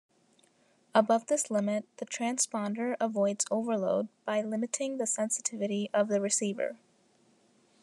Above this limit the transponder avoids overload by limiting the sensitivity of the receiver.